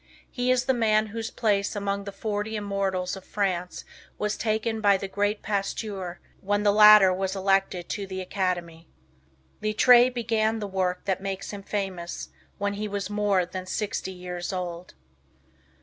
He is the man whose place among the forty immortals of France was taken by the great Pasteur, when the latter was elected to the Academy. Littre BEGAN the work that makes him famous when he was more than sixty years old.